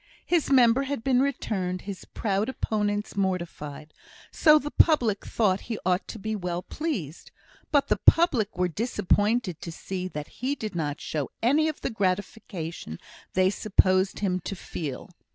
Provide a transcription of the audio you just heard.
His member had been returned; his proud opponents mortified. So the public thought he ought to be well pleased; but the public were disappointed to see that he did not show any of the gratification they supposed him to feel.